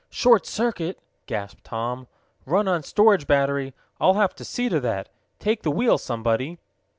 "Short circuit!" gasped Tom. "Run on storage battery! I'll have to see to that. Take the wheel somebody!"